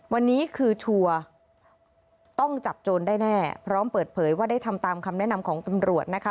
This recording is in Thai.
วันนี้คือชัวร์ต้องจับโจรได้แน่พร้อมเปิดเผยว่าได้ทำตามคำแนะนำของตำรวจนะคะ